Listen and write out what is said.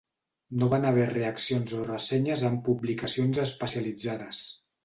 No van haver reaccions o ressenyes en publicacions especialitzades.